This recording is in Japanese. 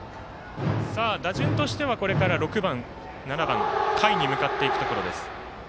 打順としてはこれから６番、７番下位に向かっていくところです。